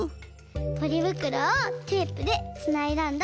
ポリぶくろをテープでつないだんだ。